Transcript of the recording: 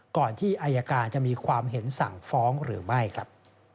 ก่อนที่อายการจะมีความเห็นสั่งฟ้องหรือไม่ครับ